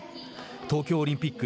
東京オリンピック